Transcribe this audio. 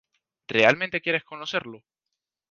Realmente quieres conocerlo?